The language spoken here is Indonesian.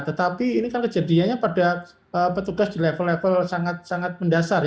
tetapi ini kan kejadiannya pada petugas di level level sangat sangat mendasar